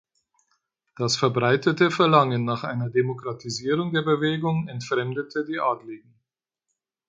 Das verbreitete Verlangen nach einer Demokratisierung der Bewegung entfremdete die Adligen.